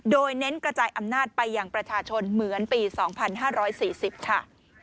โดยเน้นกระจายอำนาจไปอย่างประชาชนเหมือนปี๒๕๔๐ค่ะ